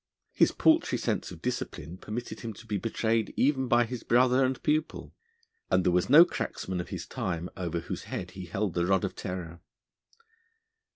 His paltry sense of discipline permitted him to be betrayed even by his brother and pupil, and there was no cracksman of his time over whose head he held the rod of terror.